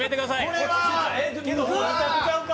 これは２択ちゃうか？